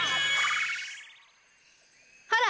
ほら！